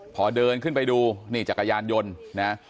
พอเดินขึ้นไปดูนี่จักรยานยนต์นะ